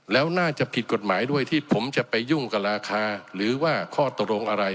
แล้วน่าจะผิดกฎหมายด้วยที่ผมจะไปยุ่งกับราคาหรือว่าข้อตกลงอะไร